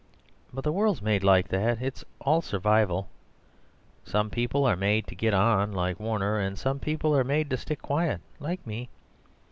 But the world's made like that; it's all survival. Some people are made to get on, like Warner; and some people are made to stick quiet, like me.